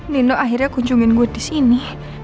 nino akhirnya kunjungin gue disini